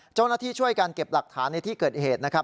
เจ้าหน้าที่ช่วยกันเก็บหลักฐานในที่เกิดเหตุนะครับ